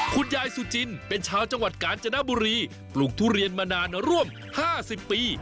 คุณยายสุจินเป็นชาวจังหวัดกาญจนบุรีปลูกทุเรียนมานานร่วม๕๐ปี